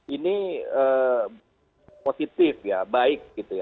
ini positif baik